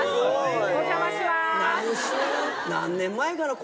お邪魔します。